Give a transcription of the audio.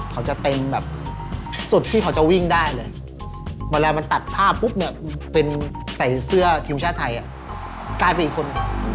เขาจะเต็มแบบสุดที่เขาจะวิ่งได้เลยเวลามันตัดภาพปุ๊บเนี่ยเป็นใส่เสื้อทีมชาติไทยกลายเป็นคน